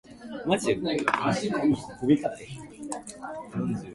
アマパー州の州都はマカパである